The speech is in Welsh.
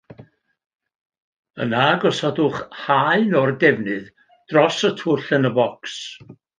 Yna gosodwch haen o'r defnydd dros y twll yn y bocs